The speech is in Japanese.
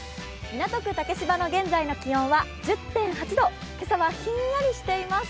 港区竹芝の現在の気温は１０．８度今朝はひんやりしています。